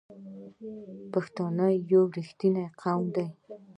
پښتون یو رښتینی قوم دی.